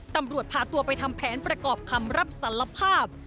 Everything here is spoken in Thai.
ตำรวจพาตัวไปทำแผนประกอบคำรับสารภาพ